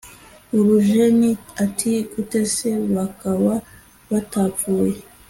urujeni ati"gutese bakaba batapfuye?"